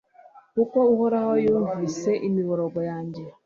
kuko uhoraho yumvise imiborogo yanjye